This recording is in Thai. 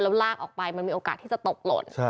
แล้วลากออกไปมันมีโอกาสที่จะตกหล่น